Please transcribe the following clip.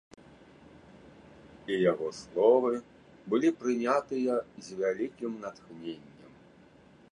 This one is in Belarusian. І яго словы былі прынятыя з вялікім натхненнем.